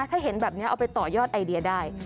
ถ้าเห็นแบบนี้เอาไปต่อยอดไอเดียได้